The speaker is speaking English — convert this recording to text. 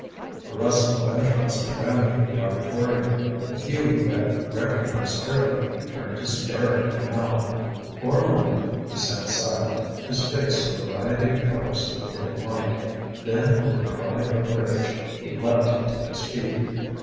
A rustle of interest ran through the auditorium. The few who had recognized Harrowby turned to stare at him now. For a moment he sat silent, his face a variety of colors in the dim light. Then with a cry of rage he leaped to his feet.